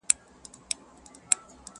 په سلا کي د وزیر هیڅ اثر نه وو.!